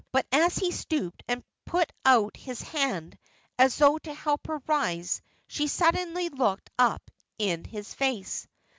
But as he stooped and put out his hand, as though to help her to rise, she suddenly looked up in his face.